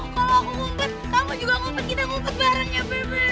kalau aku ngumpet kamu juga ngumpet kita ngumpet bareng ya bebe